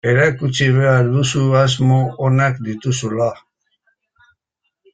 Erakutsi behar duzu asmo onak dituzula.